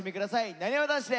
なにわ男子で。